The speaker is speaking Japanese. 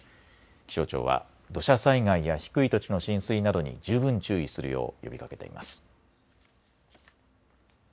気象庁は土砂災害や低い土地の浸水などに十分注意するよう呼びかけています。